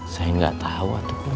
saya gak tau atukun